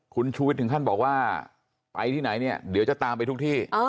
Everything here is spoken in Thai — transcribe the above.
คุณชูวิทย์ถึงขั้นบอกว่าไปที่ไหนเนี่ยเดี๋ยวจะตามไปทุกที่